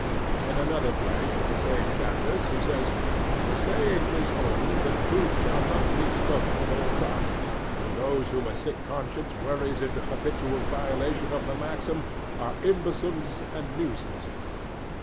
In another place in the same chapters he says, "The saying is old that truth should not be spoken at all times; and those whom a sick conscience worries into habitual violation of the maxim are imbeciles and nuisances."